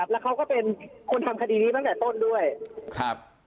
แล้วเขาก็เป็นคนทำคดีนี้ตั้งแต่ต้นด้วยครับ